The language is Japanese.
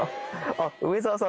あっ梅沢さん